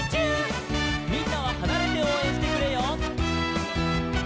「みんなははなれておうえんしてくれよ」